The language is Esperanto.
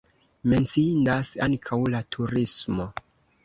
Menciindas ankaŭ la turismo.